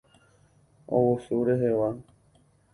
Ogusu rehegua.